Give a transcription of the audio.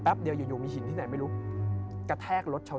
แป๊บเดียวอยู่มีหินที่ไหนไม่รู้กระแทกรถเช้า